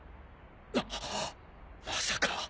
あっまさか。